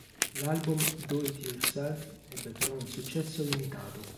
L'album, "Do it yourself", ebbe però un successo limitato.